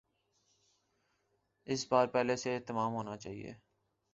اس بار پہلے سے اہتمام ہونا چاہیے۔